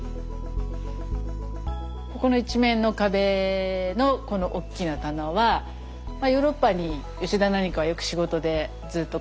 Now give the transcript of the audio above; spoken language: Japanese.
ここの一面の壁のこのおっきな棚はヨーロッパに吉田なんかはよく仕事でずっと買い付けに行くので。